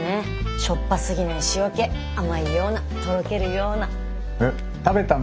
しょっぱすぎない塩気甘いようなとろけるような。